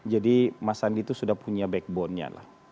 jadi mas sandi itu sudah punya backbone nya lah